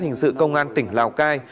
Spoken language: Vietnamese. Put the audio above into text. hình sự công an tỉnh lào cai